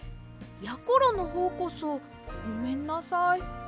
やころのほうこそごめんなさい。